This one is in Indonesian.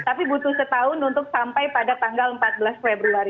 tapi butuh setahun untuk sampai pada tanggal empat belas februari